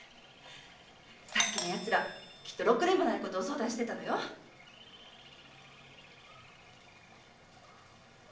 さっきの奴らろくでもないことを相談してたのよきっと。